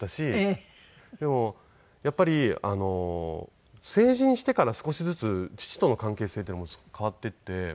でもやっぱり成人してから少しずつ父との関係性っていうのも変わっていって。